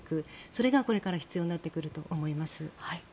それがこれから必要になってくると思います。